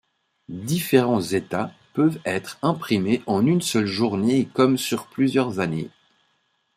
Différents états peuvent être imprimés en une seule journée comme sur plusieurs années.